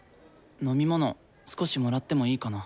飲み物少しもらってもいいかな？